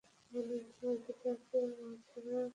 বলে, গীটাকে ও ছোড়া উচ্ছন্ন দেবে।